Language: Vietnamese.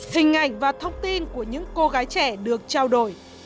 hình ảnh và thông tin của những cô gái trẻ được trao đổi